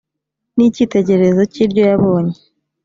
n icyitegererezo cy iryo yabonye